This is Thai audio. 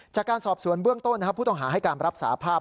จากการสอบสวนเบื้องต้นผู้ต้องหาให้การรับสาภาพ